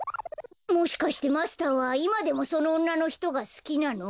もしかしてマスターはいまでもそのおんなのひとがすきなの？